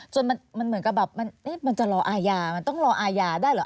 จนมันเหมือนกับแบบมันจะรออาญามันต้องรออาญาได้เหรอ